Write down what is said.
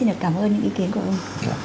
hẹn gặp lại các bạn trong những video tiếp theo